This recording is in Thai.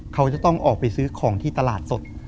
เขาจะต้องออกไปซื้อของที่ตลาดสด